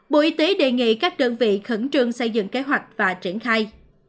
bộ y tế đề nghị các đơn vị khẩn trương xây dựng kế hoạch và triển khai